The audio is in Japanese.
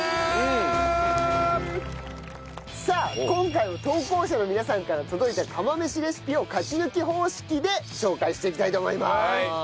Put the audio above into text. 今回も投稿者の皆さんから届いた釜飯レシピを勝ち抜き方式で紹介していきたいと思います。